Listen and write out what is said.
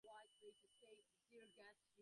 দাদামহাশয় ভালো আছেন।